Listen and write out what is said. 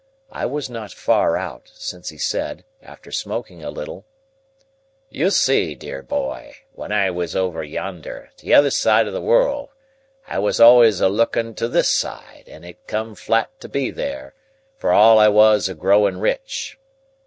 I was not far out, since he said, after smoking a little:— "You see, dear boy, when I was over yonder, t'other side the world, I was always a looking to this side; and it come flat to be there, for all I was a growing rich.